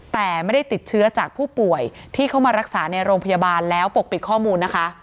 แต่ไม่ได้ติดเชื้อจากผู้ป่วยที่เข้ามารักษาในโรงพยาบาลแล้วปกปิดข้อมูลนะคะ